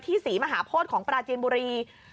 ที่สี่มหาพฤษของปราเจนบุรี